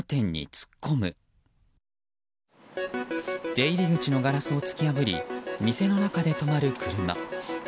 出入り口のガラスを突き破り店の中で止まる車。